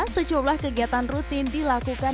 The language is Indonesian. sejumlah kegiatan rutin dilakukan